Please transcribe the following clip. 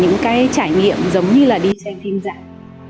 những cái trải nghiệm giống như là đi xem hình dạng